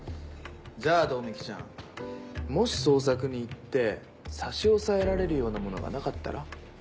じゃあ百目鬼ちゃんもし捜索に行って差し押さえられるようなものがなかったら？